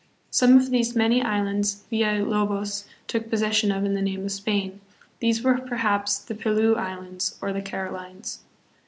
Some of these many islands Villalobos took pos session of hi the name of Spain. These were perhaps the Pelew Islands or the Carolines.